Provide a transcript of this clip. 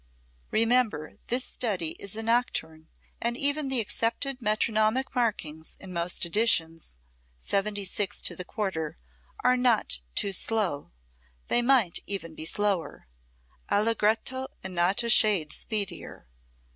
Remember, this study is a nocturne, and even the accepted metronomic markings in most editions, 76 to the quarter, are not too slow; they might even be slower. Allegretto and not a shade speedier!